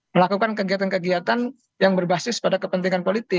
melakukan kegiatan kegiatan yang berbasis pada kepentingan politik